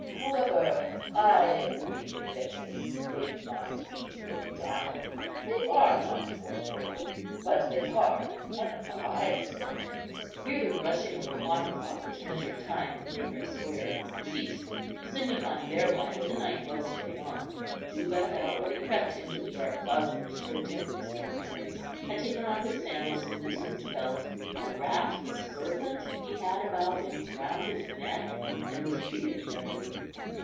However, I agree with Decius, they must be put down. They are not formidable, but they are an eyesore." Here the rushing of the water clock which measured time in the neighbouring square, ceased, signifying thereby that the night was getting on. Juba had already crept into the dark closet which served him for a sleeping place; had taken off his sandals, and loosened his belt; had wrapt the serpent he had about him round his neck, and was breathing heavily.